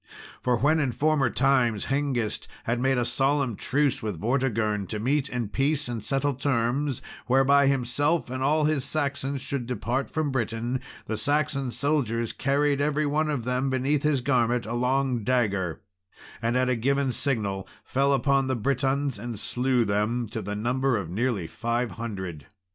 For when in former times Hengist had made a solemn truce with Vortigern, to meet in peace and settle terms, whereby himself and all his Saxons should depart from Britain, the Saxon soldiers carried every one of them beneath his garment a long dagger, and, at a given signal, fell upon the Britons, and slew them, to the number of nearly five hundred.